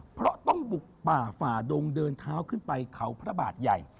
เพราะต้องบุกป่าฝ่าดงเดินเท้าขึ้นไปเขาพระบาทใหญ่